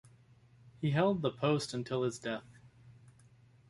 He held the post until his death.